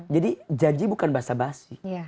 jadi janji bukan basa basi